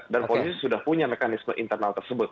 dan polisi sudah punya mekanisme internal tersebut